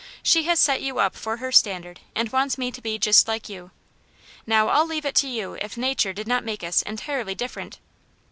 She has set you up for her standard and wants me to be just like you. Now I'll leave it to you if nature did not make us entirely different